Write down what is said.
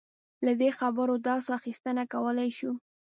له دې خبرو داسې اخیستنه کولای شو.